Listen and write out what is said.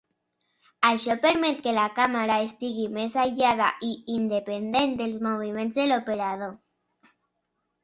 Això permet que la càmera estigui més aïllada i independent dels moviments de l'operador.